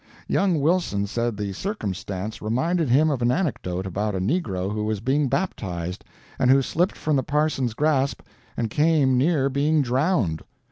Young Wilson said the circumstance reminded him of an anecdote about a negro who was being baptized, and who slipped from the parson's grasp, and came near being drowned.